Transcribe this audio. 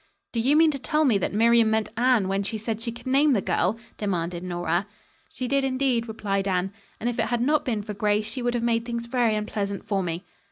"Do you mean to tell me that Miriam meant Anne when she said she could name the girl?" demanded Nora. "She did, indeed," replied Anne, "and if it had not been for Grace she would have made things very unpleasant for me."